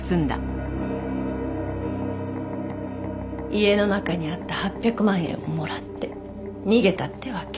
家の中にあった８００万円をもらって逃げたってわけ。